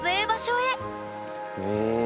へえ！